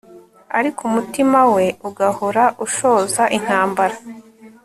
ariko umutima we ugahora ushoza intambara